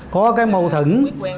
có cái mâu thẫn